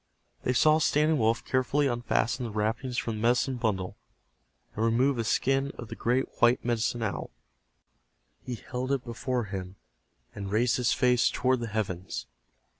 They saw Standing Wolf carefully unfasten the wrappings from the medicine bundle, and remove a skin of the great white Medicine Owl. He held it before him, and raised his face toward the heavens.